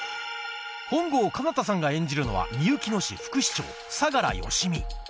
本郷奏多さんが演じるのはみゆきの市副市長相楽義実